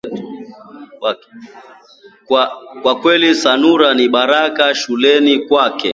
kwa kweli Zanura ni baraka shuleni kwake